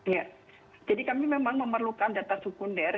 ya jadi kami memang memerlukan data sekunder